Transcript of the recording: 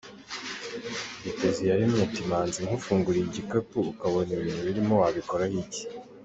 Mbiteziyaremye ati “Manzi, nkufunguriye igikapu ukabona ibintu birimo wabikoraho iki?”.